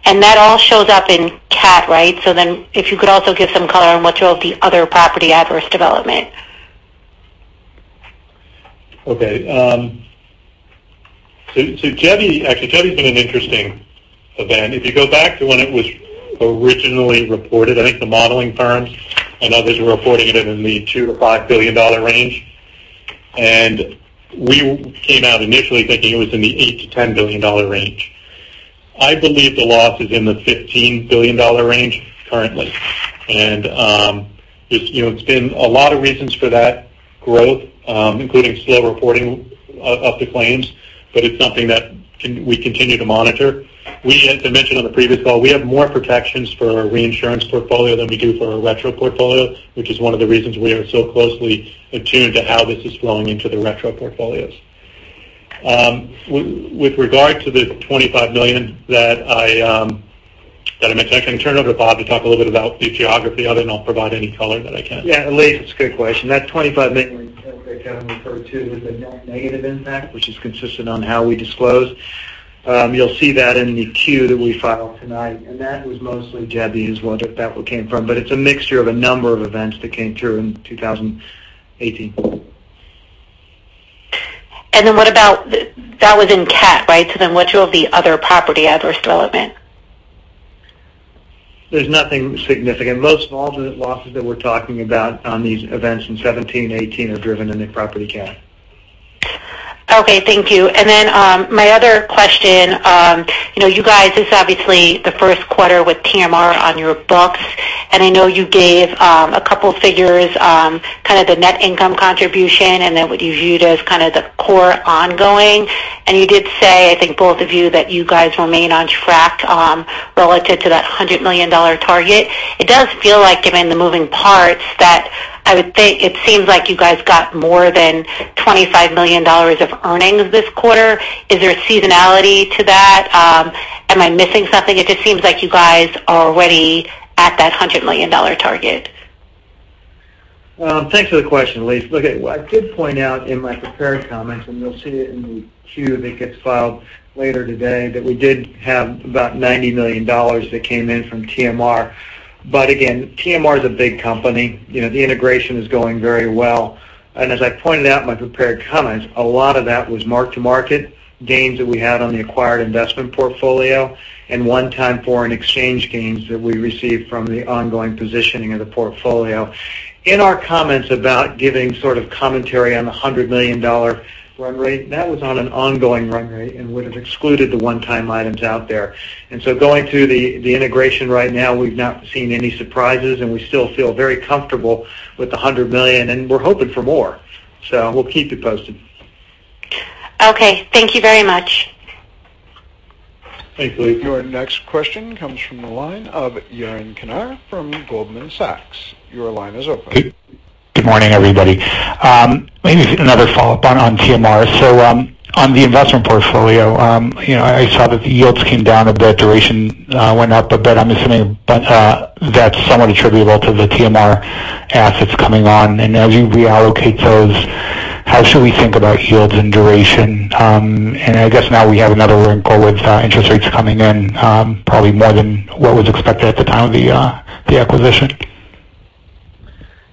and that all shows up in cat, right? If you could also give some color on what your other property adverse development. Actually, Jebi's been an interesting event. If you go back to when it was originally reported, I think the modeling firms and others were reporting it in the $2 billion-$5 billion range, and we came out initially thinking it was in the $8 billion-$10 billion range. I believe the loss is in the $15 billion range currently, and it's been a lot of reasons for that growth, including slow reporting of the claims, but it's something that we continue to monitor. As I mentioned on the previous call, we have more protections for our reinsurance portfolio than we do for our retro portfolio, which is one of the reasons we are so closely attuned to how this is flowing into the retro portfolios. With regard to the $25 million. That makes sense. I can turn it over to Bob to talk a little bit about the geography of it, and I'll provide any color that I can. Yeah, Elyse, it's a good question. That $25 million that Kevin referred to was a net negative impact, which is consistent on how we disclose. You'll see that in the Q that we file tonight. That was mostly Jebi, is where that came from, it's a mixture of a number of events that came through in 2018. What about That was in cat, right? What about the other property adverse development? There's nothing significant. Most of ultimate losses that we're talking about on these events in 2017 and 2018 are driven in the property cat. Okay, thank you. My other question. You guys, this is obviously the first quarter with TMR on your books, and I know you gave a couple of figures, kind of the net income contribution and then what you viewed as kind of the core ongoing. You did say, I think both of you, that you guys remain on track relative to that $100 million target. It does feel like given the moving parts that I would think it seems like you guys got more than $25 million of earnings this quarter. Is there a seasonality to that? Am I missing something? It just seems like you guys are already at that $100 million target. Thanks for the question, Elyse. I did point out in my prepared comments, you'll see it in the Q that gets filed later today, that we did have about $90 million that came in from TMR. Again, TMR is a big company. The integration is going very well. As I pointed out in my prepared comments, a lot of that was mark-to-market gains that we had on the acquired investment portfolio and one-time foreign exchange gains that we received from the ongoing positioning of the portfolio. In our comments about giving sort of commentary on the $100 million run rate, that was on an ongoing run rate and would have excluded the one-time items out there. Going through the integration right now, we've not seen any surprises, and we still feel very comfortable with the $100 million, and we're hoping for more. We'll keep you posted. Okay, thank you very much. Thanks, Elyse. Your next question comes from the line of Yaron Kinar from Goldman Sachs. Your line is open. Good morning, everybody. Maybe another follow-up on TMR. On the investment portfolio, I saw that the yields came down a bit, duration went up a bit. I'm assuming that's somewhat attributable to the TMR assets coming on. As you reallocate those, how should we think about yields and duration? I guess now we have another wrinkle with interest rates coming in probably more than what was expected at the time of the acquisition.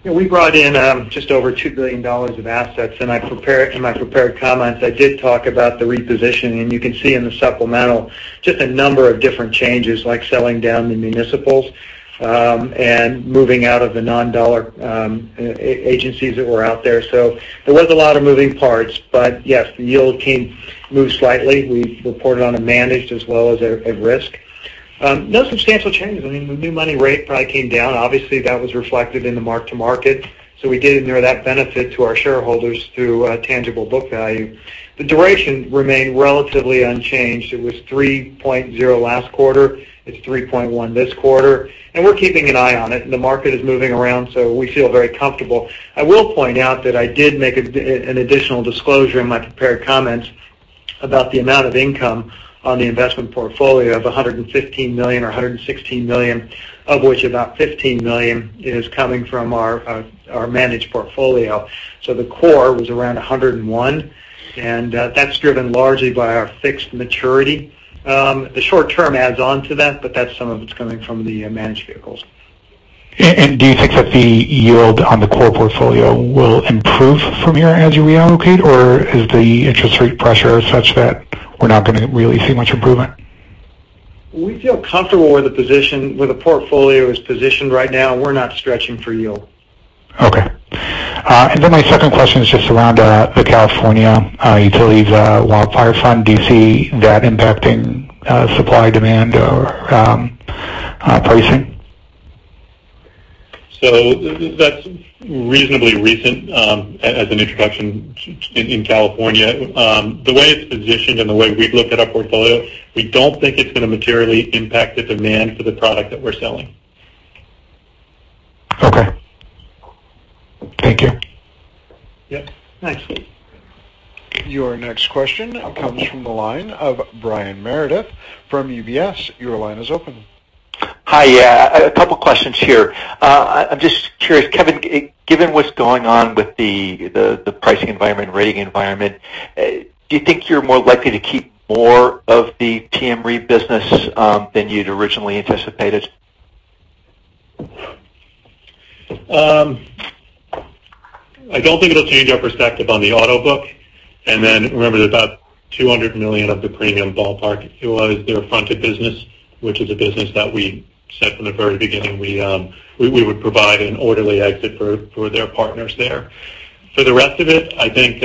We brought in just over $2 billion of assets. In my prepared comments, I did talk about the repositioning, you can see in the supplemental just a number of different changes, like selling down the municipals, moving out of the non-dollar agencies that were out there. There was a lot of moving parts, but yes, the yield moved slightly. We've reported on a managed as well as at risk. No substantial changes. I mean, the new money rate probably came down. Obviously, that was reflected in the mark to market. We did mirror that benefit to our shareholders through tangible book value. The duration remained relatively unchanged. It was 3.0 last quarter. It's 3.1 this quarter. We're keeping an eye on it. The market is moving around, we feel very comfortable. I will point out that I did make an additional disclosure in my prepared comments about the amount of income on the investment portfolio of $115 million or $116 million, of which about $15 million is coming from our managed portfolio. The core was around 101. That's driven largely by our fixed maturity. The short term adds on to that. That's some of it's coming from the managed vehicles. Do you think that the yield on the core portfolio will improve from here as you reallocate, or is the interest rate pressure such that we're not going to really see much improvement? We feel comfortable where the portfolio is positioned right now. We're not stretching for yield. Okay. My second question is just around the California utilities Wildfire Fund. Do you see that impacting supply-demand or pricing? That's reasonably recent as an introduction in California. The way it's positioned and the way we look at our portfolio, we don't think it's going to materially impact the demand for the product that we're selling. Okay. Thank you. Yep. Thanks. Your next question comes from the line of Brian Meredith from UBS. Your line is open. Hi. A couple questions here. I'm just curious, Kevin, given what's going on with the pricing environment and rating environment, do you think you're more likely to keep more of the TMR business than you'd originally anticipated? Remember, about $200 million of the premium ballpark utilizes their fronted business, which is a business that we said from the very beginning we would provide an orderly exit for their partners there. For the rest of it, I think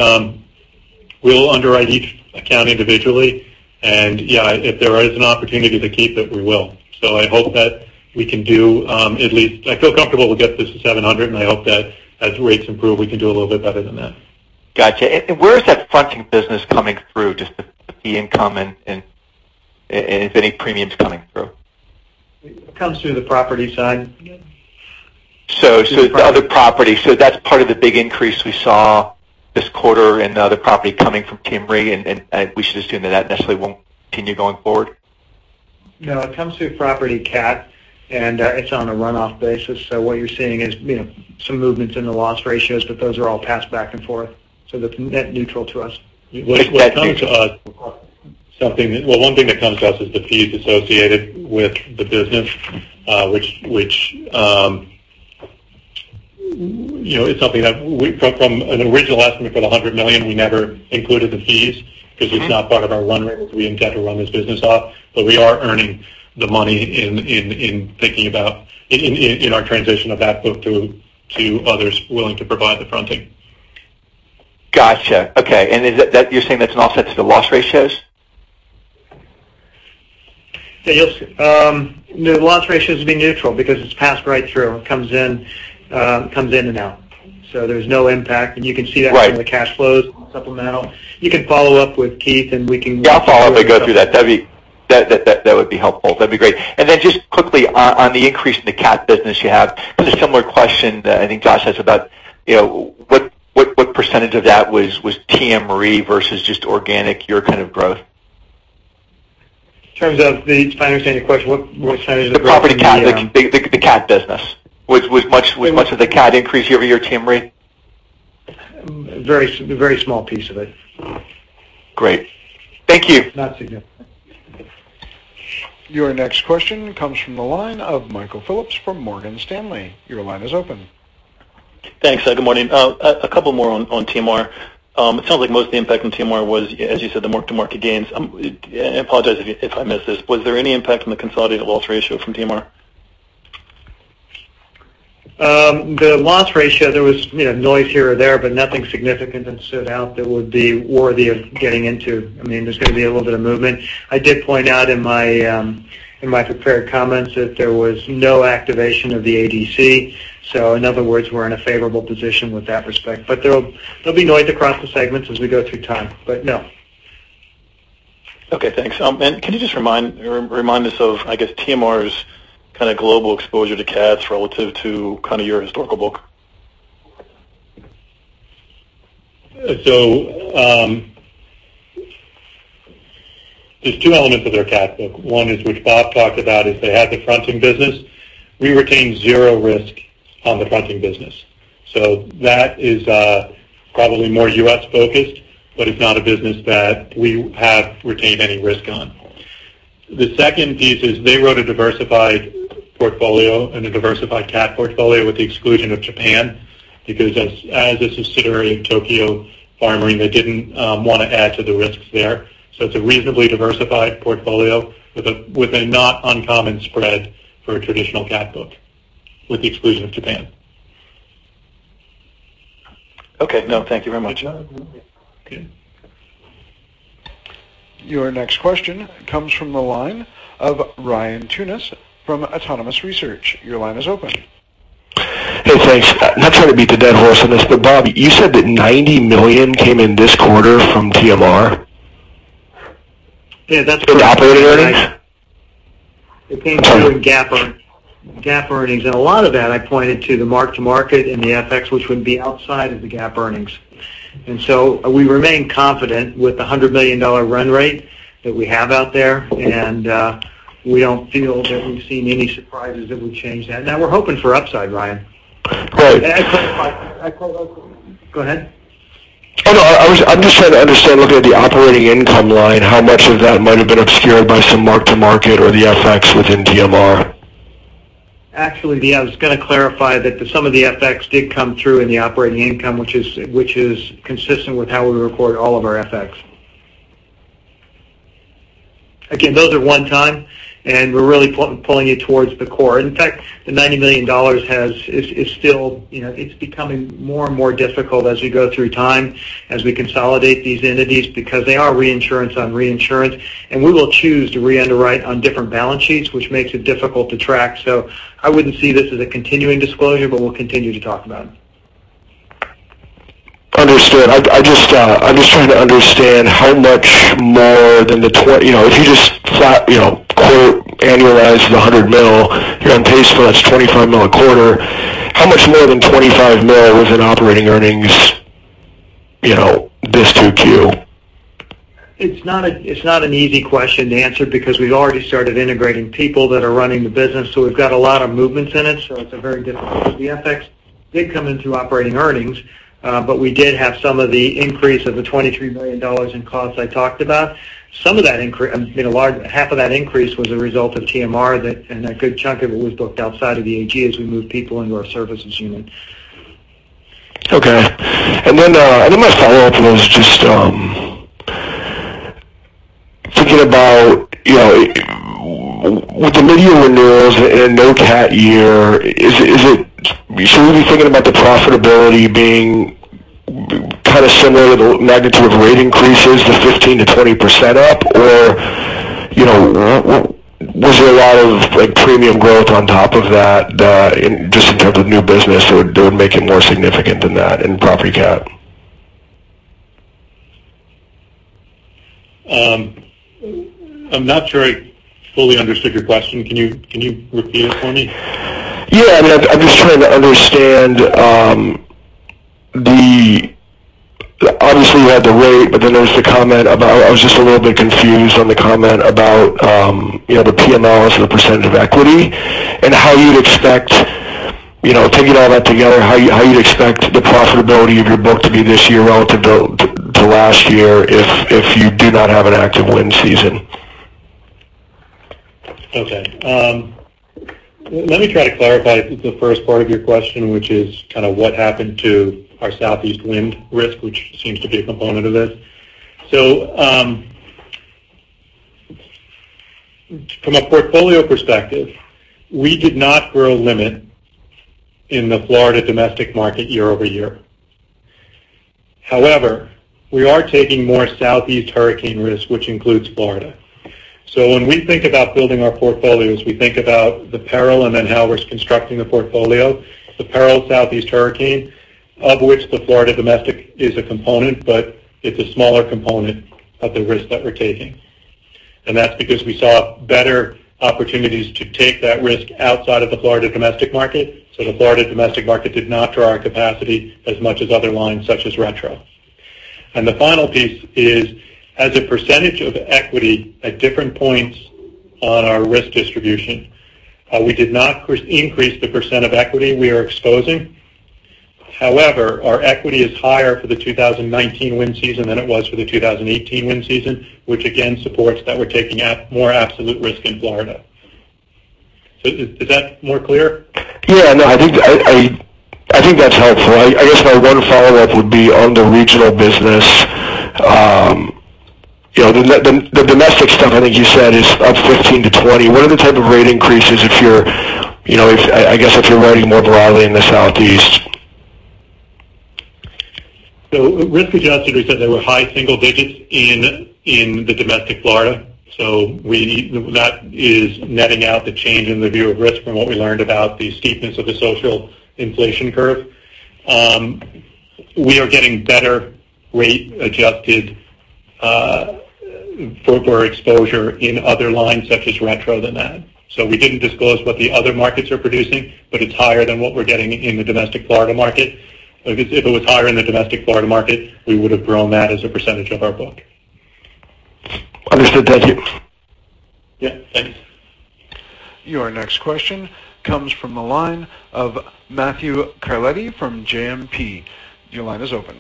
we'll underwrite each account individually. Yeah, if there is an opportunity to keep it, we will. I hope that we can do at least I feel comfortable we'll get this to 700, I hope that as rates improve, we can do a little bit better than that. Got you. Where is that fronting business coming through, just the income and if any premium's coming through? It comes through the property side. The other property, that's part of the big increase we saw this quarter in other property coming from TMR, and we should assume that that necessarily won't continue going forward? No. It comes through property cat, and it's on a runoff basis. What you're seeing is some movements in the loss ratios, but those are all passed back and forth. They're net neutral to us. Well, one thing that comes to us is the fees associated with the business. From an original estimate for the $100 million, we never included the fees because it's not part of our run rate as we intend to run this business off. We are earning the money in our transition of that book to others willing to provide the fronting. Got you. Okay. You're saying that's an offset to the loss ratios? Yes. The loss ratios would be neutral because it's passed right through. It comes in and out. There's no impact, and you can see that. Right from the cash flows supplemental. You can follow up with Keith, and we can. Yeah, I'll follow up and go through that. That'd be helpful. That'd be great. Then just quickly on the increase in the cat business you have, just a similar question that I think Josh asked about, what percentage of that was TMR versus just organic, your kind of growth? If I understand your question, what percentage of the growth? The property cat, the cat business. Was much of the cat increase year over year TMR? A very small piece of it. Great. Thank you. Not significant. Your next question comes from the line of Michael Phillips from Morgan Stanley. Your line is open. Thanks. Good morning. A couple more on TMR. It sounds like most of the impact on TMR was, as you said, the mark-to-market gains. I apologize if I missed this. Was there any impact from the consolidated loss ratio from TMR? The loss ratio, there was noise here or there, but nothing significant that stood out that would be worthy of getting into. There's going to be a little bit of movement. I did point out in my prepared comments that there was no activation of the ADC. In other words, we're in a favorable position with that respect. There'll be noise across the segments as we go through time. No. Okay. Thanks. Can you just remind us of, I guess, TMR's kind of global exposure to cats relative to kind of your historical book? There's 2 elements of their cat book. One is, which Bob talked about, is they had the fronting business. We retain 0 risk on the fronting business. That is probably more U.S.-focused, but it's not a business that we have retained any risk on. The second piece is they wrote a diversified portfolio and a diversified cat portfolio with the exclusion of Japan, because as a subsidiary of Tokio Marine, they didn't want to add to the risks there. It's a reasonably diversified portfolio with a not uncommon spread for a traditional cat book, with the exclusion of Japan. Okay. Thank you very much. Your next question comes from the line of Ryan Tunis from Autonomous Research. Your line is open. Hey, thanks. Not trying to beat the dead horse on this, Bob, you said that $90 million came in this quarter from TMR? Yeah. From operating earnings? It came through in GAAP earnings. A lot of that I pointed to the mark-to-market and the FX, which would be outside of the GAAP earnings. We remain confident with the $100 million run rate that we have out there, and we don't feel that we've seen any surprises that would change that. Now we're hoping for upside, Ryan. Right. Go ahead. Oh, no, I'm just trying to understand, looking at the operating income line, how much of that might have been obscured by some mark-to-market or the FX within TMR. Actually, I was going to clarify that some of the FX did come through in the operating income, which is consistent with how we record all of our FX. Again, those are one time, and we're really pulling you towards the core. In fact, the $90 million is becoming more and more difficult as we go through time, as we consolidate these entities because they are reinsurance on reinsurance, and we will choose to re-underwrite on different balance sheets, which makes it difficult to track. I wouldn't see this as a continuing disclosure, but we'll continue to talk about it. Understood. I'm just trying to understand how much more than if you just quote annualize the $100 million, here on page four, that's $25 million a quarter. How much more than $25 million was in operating earnings this 2Q? It's not an easy question to answer because we've already started integrating people that are running the business. We've got a lot of movements in it, so it's very difficult. The FX did come into operating earnings, but we did have some of the increase of the $23 million in costs I talked about. Half of that increase was a result of TMR, and a good chunk of it was booked outside of the AG as we moved people into our services unit. Okay. My follow-up was just thinking about with the mid-year renewals in a no cat year, should we be thinking about the profitability being kind of similar to the magnitude of rate increases, the 15%-20% up? Or was there a lot of premium growth on top of that, just in terms of new business that would make it more significant than that in property cat? I'm not sure I fully understood your question. Can you repeat it for me? Yeah. I'm just trying to understand. Obviously, you had the rate, but then there's the comment about I was just a little bit confused on the comment about the P&Ls or the percentage of equity, and how you'd expect, taking all that together, how you'd expect the profitability of your book to be this year relative to last year if you do not have an active wind season. Okay. Let me try to clarify the first part of your question, which is kind of what happened to our southeast wind risk, which seems to be a component of this. From a portfolio perspective, we did not grow limit in the Florida domestic market year-over-year. However, we are taking more southeast hurricane risk, which includes Florida. When we think about building our portfolios, we think about the peril and then how we're constructing the portfolio. The peril is southeast hurricane, of which the Florida domestic is a component, but it's a smaller component of the risk that we're taking. That's because we saw better opportunities to take that risk outside of the Florida domestic market, so the Florida domestic market did not draw our capacity as much as other lines such as retro. The final piece is, as a percentage of equity at different points on our risk distribution, we did not increase the percent of equity we are exposing. However, our equity is higher for the 2019 wind season than it was for the 2018 wind season, which again supports that we're taking more absolute risk in Florida. Is that more clear? Yeah. No, I think that's helpful. I guess my one follow-up would be on the regional business. The domestic stuff, I think you said, is up 15%-20%. What are the type of rate increases, I guess, if you're writing more broadly in the Southeast? Risk-adjusted, we said they were high single digits in the domestic Florida. That is netting out the change in the view of risk from what we learned about the steepness of the social inflation curve. We are getting better rate adjusted for exposure in other lines such as retro than that. We didn't disclose what the other markets are producing, but it's higher than what we're getting in the domestic Florida market. If it was higher in the domestic Florida market, we would have grown that as a percentage of our book. Understood. Thank you. Yeah. Thanks. Your next question comes from the line of Matthew Carletti from JMP. Your line is open.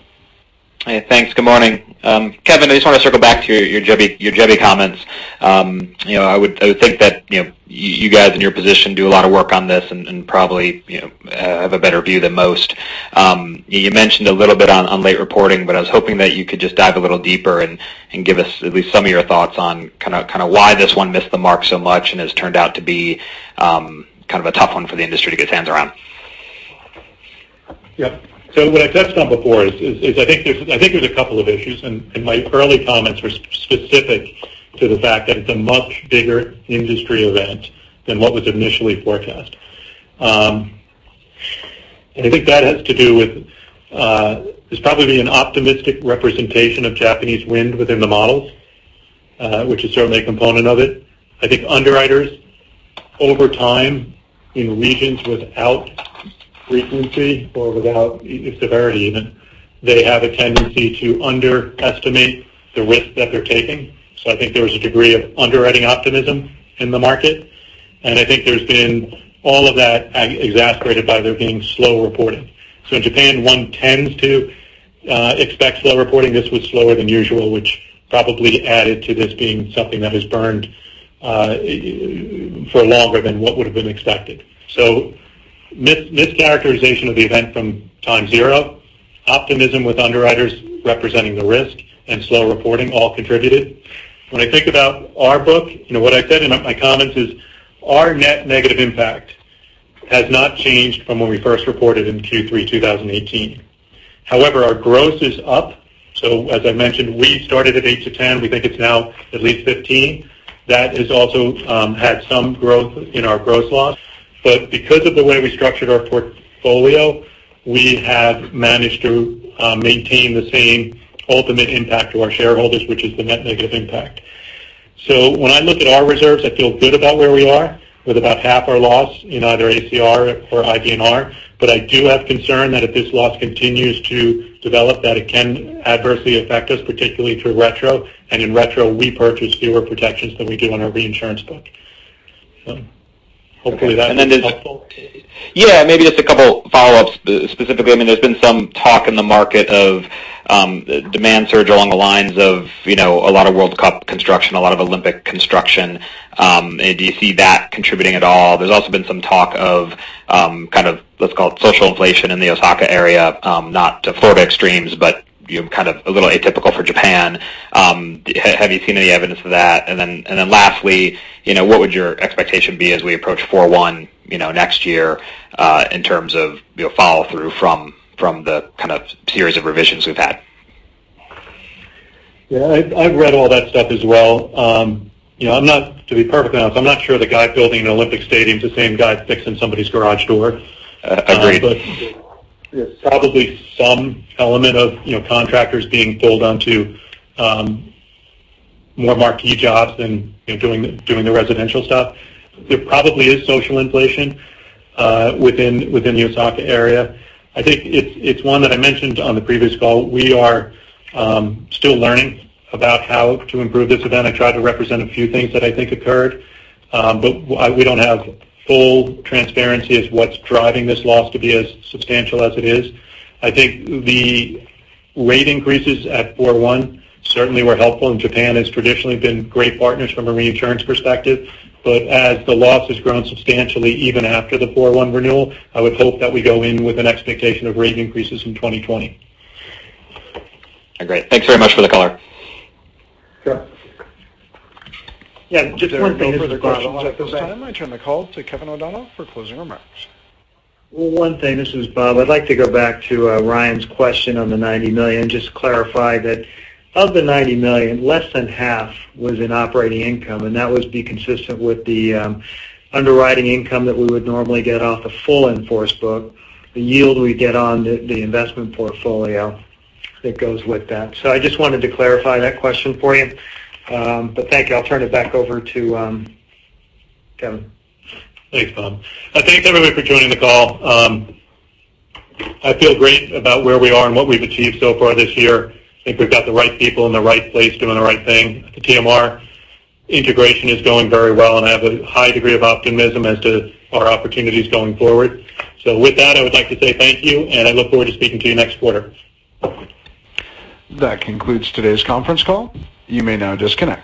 Hey, thanks. Good morning. Kevin, I just want to circle back to your Jebi comments. I would think that you guys in your position do a lot of work on this and probably have a better view than most. You mentioned a little bit on late reporting, but I was hoping that you could just dive a little deeper and give us at least some of your thoughts on kind of why this one missed the mark so much and has turned out to be kind of a tough one for the industry to get its hands around. What I touched on before is I think there's a couple of issues, and my early comments were specific to the fact that it's a much bigger industry event than what was initially forecast. I think that has to do with this probably being an optimistic representation of Japanese wind within the models, which is certainly a component of it. I think underwriters over time in regions without frequency or without severity even, they have a tendency to underestimate the risk that they're taking. I think there was a degree of underwriting optimism in the market, and I think there's been all of that exacerbated by there being slow reporting. In Japan, one tends to expect slow reporting. This was slower than usual, which probably added to this being something that has burned for longer than what would have been expected. Mischaracterization of the event from time zero, optimism with underwriters representing the risk, and slow reporting all contributed. I think about our book, what I said in my comments is our net negative impact has not changed from when we first reported in Q3 2018. However, our gross is up. As I mentioned, we started at 8-10. We think it's now at least 15. That has also had some growth in our gross loss. Because of the way we structured our portfolio, we have managed to maintain the same ultimate impact to our shareholders, which is the net negative impact. When I look at our reserves, I feel good about where we are with about half our loss in either ACR or IBNR. I do have concern that if this loss continues to develop, that it can adversely affect us, particularly through retro. In retro, we purchase fewer protections than we do on our reinsurance book. Hopefully that is helpful. Yeah. Maybe just a couple follow-ups specifically. There's been some talk in the market of demand surge along the lines of a lot of World Cup construction, a lot of Olympic construction. Do you see that contributing at all? There's also been some talk of kind of let's call it social inflation in the Osaka area, not to Florida extremes, but kind of a little atypical for Japan. Have you seen any evidence of that? Lastly, what would your expectation be as we approach 4-1 next year in terms of follow-through from the kind of series of revisions we've had? Yeah. I've read all that stuff as well. To be perfectly honest, I'm not sure the guy building an Olympic stadium is the same guy fixing somebody's garage door. Agreed. There's probably some element of contractors being pulled onto more marquee jobs than doing the residential stuff. There probably is social inflation within the Osaka area. I think it's one that I mentioned on the previous call. We are still learning about how to improve this event. I tried to represent a few things that I think occurred. We don't have full transparency as what's driving this loss to be as substantial as it is. I think the rate increases at 4-1 certainly were helpful, Japan has traditionally been great partners from a reinsurance perspective. As the loss has grown substantially even after the 4-1 renewal, I would hope that we go in with an expectation of rate increases in 2020. Great. Thanks very much for the color. Sure. Yeah, just one thing. There are no further questions at this time. I turn the call to Kevin O'Donnell for closing remarks. Well, one thing, this is Bob. I'd like to go back to Ryan's question on the $90 million just to clarify that of the $90 million, less than half was in operating income, and that would be consistent with the underwriting income that we would normally get off the full in-force book, the yield we get on the investment portfolio that goes with that. I just wanted to clarify that question for you. Thank you. I'll turn it back over to Kevin. Thanks, Bob. Thank you, everybody, for joining the call. I feel great about where we are and what we've achieved so far this year. I think we've got the right people in the right place doing the right thing. The TMR integration is going very well, and I have a high degree of optimism as to our opportunities going forward. With that, I would like to say thank you, and I look forward to speaking to you next quarter. That concludes today's conference call. You may now disconnect.